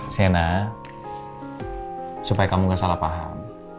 sena supaya kamu gak salah paham